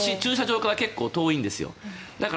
あそこ駐車場から結構遠いんですよ。